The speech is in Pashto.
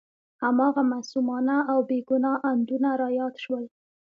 هماغه معصومانه او بې ګناه اندونه را یاد شول.